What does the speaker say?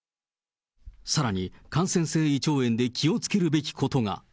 さらに感染性胃腸炎で気をつけるべきことが。